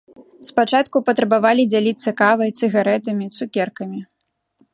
Спачатку патрабавалі дзяліцца кавай, цыгарэтамі, цукеркамі.